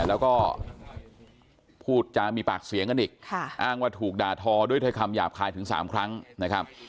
แล้วก็พูดจามีปากเสียงกันอีกอ้างว่าถูกด่าทอด้วยถ้อยคำหยาบคายถึง๓ครั้งนะครับ